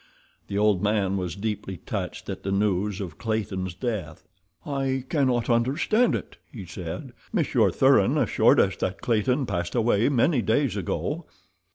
The old man was deeply touched at the news of Clayton's death. "I cannot understand it," he said. "Monsieur Thuran assured us that Clayton passed away many days ago."